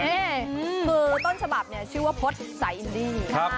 นี่คือต้นฉบับชื่อว่าพศใส่อินดี